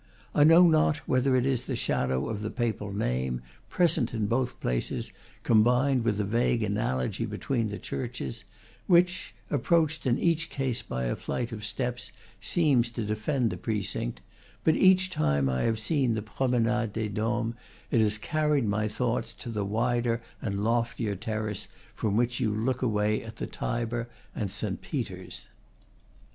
I know not whether it is the shadow of the Papal name, present in both places, combined with a vague analogy between the churches, which, approached in each case by a flight of steps, seemed to defend the precinct, but each time I have seen the Promenade des Doms it has carried my thoughts to the wider and loftier terrace from which you look away at the Tiber and Saint Peter's.